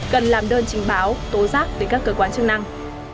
cần làm đơn trình báo tố giác với các cơ quan chức năng